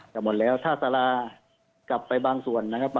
จะหมดแล้วถ้าสารากลับไปบางส่วนนะครับ